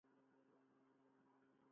On s'atansa el Grup Demòcrata?